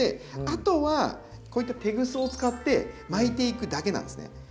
あとはこういったテグスを使って巻いていくだけなんですね。